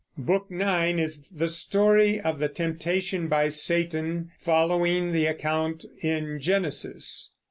Book IX is the story of the temptation by Satan, following the account in Genesis.